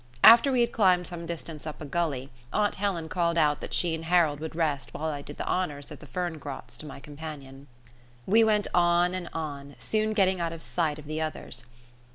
After we had climbed some distance up a gully aunt Helen called out that she and Harold would rest while I did the honours of the fern grots to my companion. We went on and on, soon getting out of sight of the others.